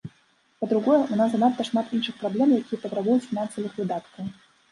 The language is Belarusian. Па-другое, у нас занадта шмат іншых праблем, якія патрабуюць фінансавых выдаткаў.